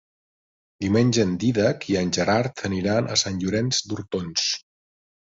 Diumenge en Dídac i en Gerard aniran a Sant Llorenç d'Hortons.